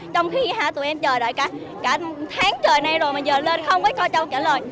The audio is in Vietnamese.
trong khi tụi em chờ đợi cả tháng trời nay rồi mà giờ lên không có cho trả lời